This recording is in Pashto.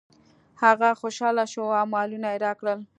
هغه خوشحاله شو او مالونه یې راکړل.